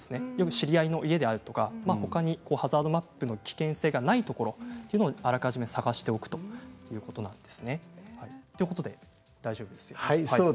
知り合いの家とかハザードマップで危険性のないところをあらかじめ探しておくということです。ということで大丈夫ですか？